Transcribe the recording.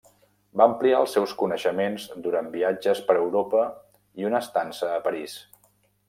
Va ampliar els seus coneixements durant viatges per Europa i una estança a París.